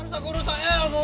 harusnya guru saya ilmu